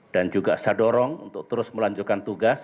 dan juga saya dorong untuk terus melanjutkan tugas